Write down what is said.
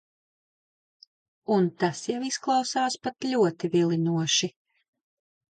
Un tas jau izklausās pat ļoti vilinoši.